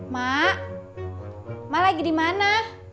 mak mak lagi di mana